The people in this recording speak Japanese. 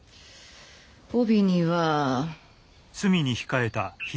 帯には。